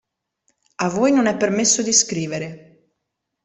A voi non è permesso di scrivere.